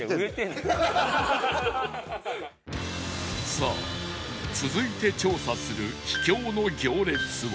さあ続いて調査する秘境の行列は